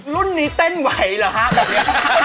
รุ่นนี้เต้นไหวเหรอฮะแบบนี้